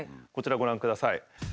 こちらご覧ください。